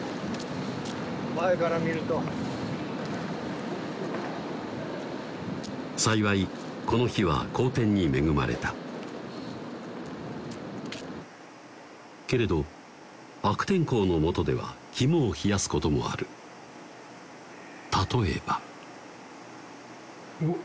前から見ると幸いこの日は好天に恵まれたけれど悪天候のもとでは肝を冷やすこともある例えばうわっ！